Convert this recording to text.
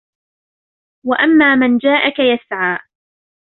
وأما من جاءك يسعى